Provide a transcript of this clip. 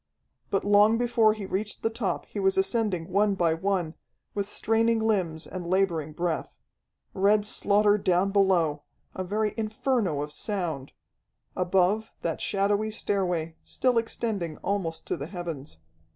But long before he reached the top he was ascending one by one, with straining limbs and laboring breath. Red slaughter down below, a very inferno of sound; above, that shadowy stairway, still extending almost to the heavens.